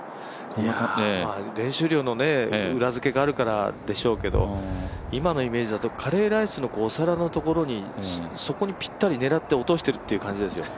練習量の裏づけがあるからでしょうけど、今のイメージだとカレーライスのお皿のところにぴったり狙って落としてるって感じですよ。